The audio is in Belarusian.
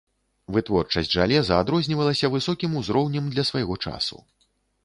Вытворчасць жалеза адрознівалася высокім узроўнем для свайго часу.